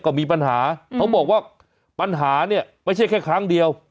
ก็มีปัญหาเขาบอกว่าปัญหาเนี่ยไม่ใช่แค่ครั้งเดียว